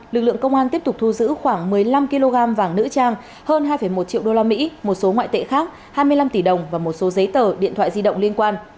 lực lượng công an tiếp tục thu giữ khoảng một mươi năm kg vàng nữ trang hơn hai một triệu usd một số ngoại tệ khác hai mươi năm tỷ đồng và một số giấy tờ điện thoại di động liên quan